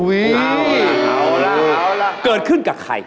อุ๊ยเอาละ